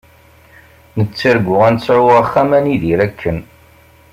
Nettargu ad nesɛu axxam ad nidir akken.